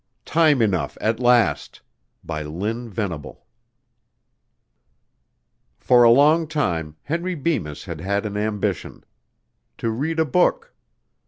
_ Time Enough At Last By Lynn Venable For a long time, Henry Bemis had had an ambition. To read a book.